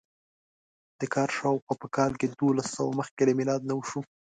دا کار شاوخوا په کال دوولسسوه مخکې له میلاد نه وشو.